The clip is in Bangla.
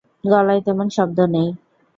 গলায় তেমন শব্দ নেই।